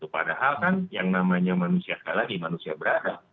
padahal kan yang namanya manusia sekali lagi manusia berada